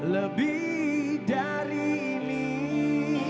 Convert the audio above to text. lebih dari ini